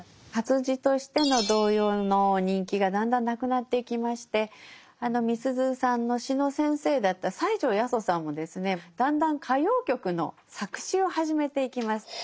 活字としての童謡の人気がだんだんなくなっていきましてみすゞさんの詩の先生だった西條八十さんもですねだんだん歌謡曲の作詞を始めていきます。